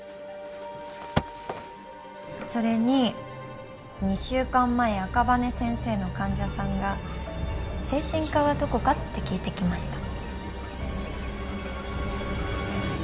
それに２週間前赤羽先生の患者さんが「精神科はどこか？」って聞いてきました。